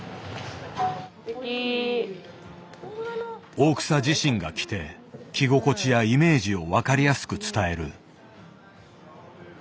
大草自身が着て着心地やイメージを分かりやすく伝える。